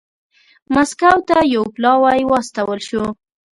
مسکو ته یو پلاوی واستول شو.